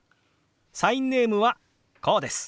サインネームはこうです。